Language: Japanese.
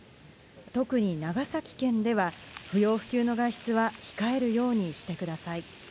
特に長崎県では、不要不急の外出は控えるようにしてください。